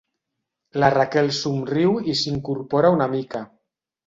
La Raquel somriu i s'incorpora una mica.